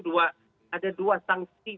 dua ada dua sanksi